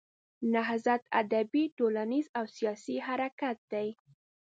نهضت ادبي، ټولنیز او سیاسي حرکت دی.